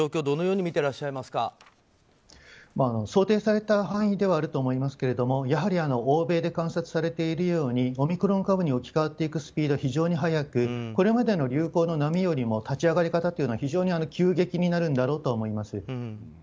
どのように想定された範囲ではあると思いますけれどもやはり欧米で観察されているようにオミクロン株に置き換わっていくスピードは非常に速くこれまでの流行の波よりも立ち上がり方は急激になるだろうと思います。